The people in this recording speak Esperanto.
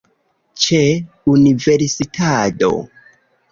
Ĉe universitado